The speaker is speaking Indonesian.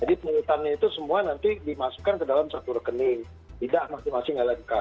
jadi penyelidikannya itu semua nanti dimasukkan ke dalam satu rekening tidak masing masing lmk